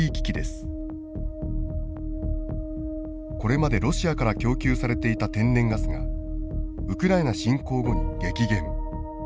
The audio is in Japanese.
これまでロシアから供給されていた天然ガスがウクライナ侵攻後に激減。